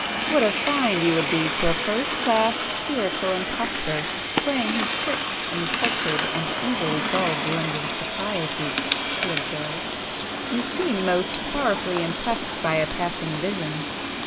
"What a 'find' you would be to a first class 'spiritual' impostor playing his tricks in cultured and easily gulled London society!" he observed—"You seem most powerfully impressed by a passing vision!"